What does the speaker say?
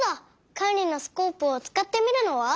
カンリのスコープをつかってみるのは？